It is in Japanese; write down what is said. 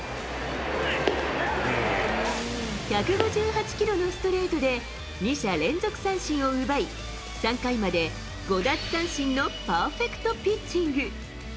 １５８キロのストレートで２者連続三振を奪い、３回まで５奪三振のパーフェクトピッチング。